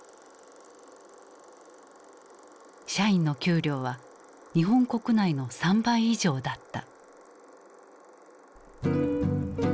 社員の給料は日本国内の３倍以上だった。